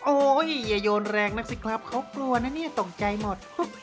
อย่าโยนแรงนักสิครับเขากลัวนะเนี่ยตกใจหมด